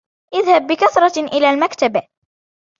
أذهب بكثرة إلى المكتبة